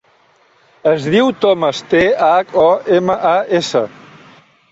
Es diu Thomas: te, hac, o, ema, a, essa.